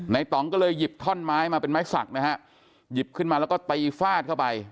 ต่องก็เลยหยิบท่อนไม้มาเป็นไม้สักนะฮะหยิบขึ้นมาแล้วก็ตีฟาดเข้าไป